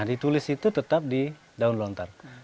ditulis itu tetap di daun lontar